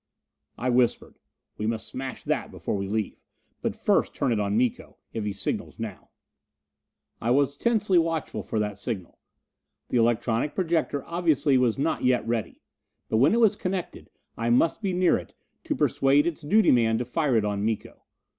I whispered, "We must smash that before we leave! But first turn it on Miko, if he signals now." I was tensely watchful for that signal. The electronic projector obviously was not yet ready. But when it was connected, I must be near it, to persuade its duty man to fire it on Miko.